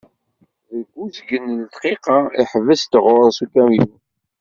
Deg uzgen n dqiqa, iḥbes-d ɣur-s ukamyun.